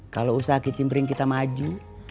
kalo usaha kicimpering kita maju